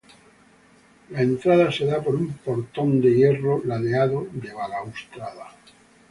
La entrada se da por un portón de hierro ladeado de balaustrada.